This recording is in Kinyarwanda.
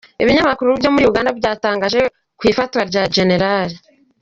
Ibinyamakuru byo muri Uganda byatangaje ko ifatwa rya Gen.